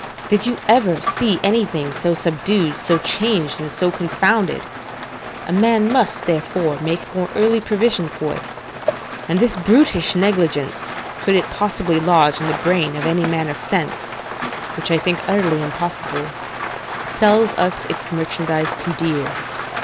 Did you ever see anything so subdued, so changed, and so confounded? A man must, therefore, make more early provision for it; and this brutish negligence, could it possibly lodge in the brain of any man of sense (which I think utterly impossible), sells us its merchandise too dear.